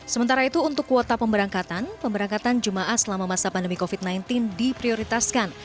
sementara itu untuk kuota pemberangkatan pemberangkatan jemaah selama masa pandemi covid sembilan belas diprioritaskan